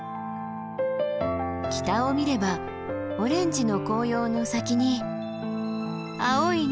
北を見ればオレンジの紅葉の先に青い日本海だ。